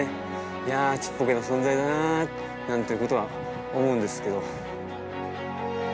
いやちっぽけな存在だななんていうことは思うんですけど。